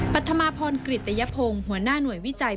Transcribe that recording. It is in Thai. ธมาพรกริตยพงศ์หัวหน้าหน่วยวิจัย